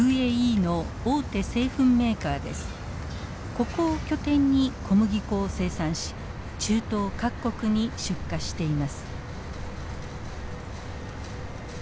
ここを拠点に小麦粉を生産し中東各国に出荷しています。